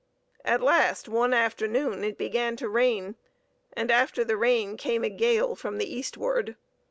At last, one afternoon, it began to rain, and after the rain came a gale from the eastward.